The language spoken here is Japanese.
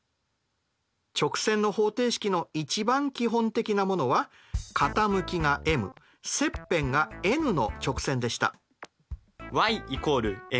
直線の方程式の一番基本的なものは傾きがｍ切片がｎの直線でした。